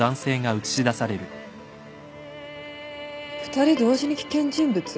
２人同時に危険人物？